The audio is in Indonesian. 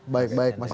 baik baik mas indra